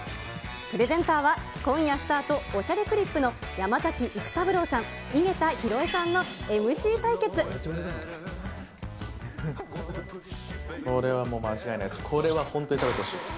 プレゼンターは、今夜スタート、おしゃれクリップの山崎育三郎さん、これはもう間違いないです。